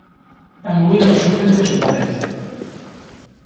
Am win yecuffun tacebbakt.